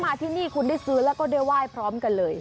ที่นี่คุณได้ซื้อแล้วก็ได้ไหว้พร้อมกันเลย